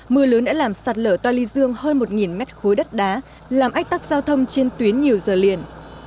mưa lớn đã làm sạt lở toa ly dương hơn một mét khối đất đá làm ách tắc giao thông trên tuyến nhiều giờ liền